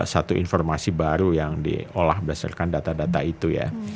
satu informasi baru yang diolah berdasarkan data data itu ya